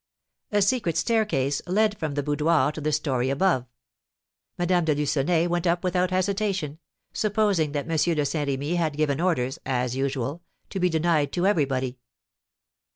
A secret staircase led from the boudoir to the story above. Madame de Lucenay went up without hesitation, supposing that M. de Saint Remy had given orders, as usual, to be denied to everybody.